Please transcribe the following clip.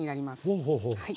ほうほうほうはい。